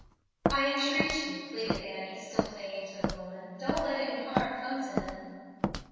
"I entreat you," pleaded Annie, still clinging to the woman, "don't let any harm come to him."